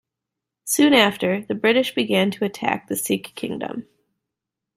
Soon after, the British began to attack the Sikh Kingdom.